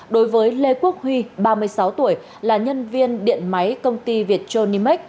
đối với lê quốc huy ba mươi sáu tuổi là nhân viên điện máy công ty việt trô nimek